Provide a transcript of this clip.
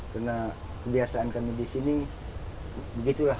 karena kebiasaan kami di sini begitulah